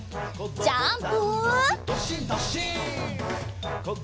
ジャンプ！